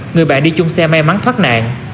người bạn đi chung xe may mắn thoát nạn